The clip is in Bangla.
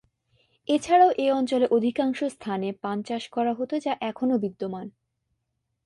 এছাড়াও এ অঞ্চলে অধিকাংশ স্থানে পান চাষ করা হত যা এখনও বিদ্যমান।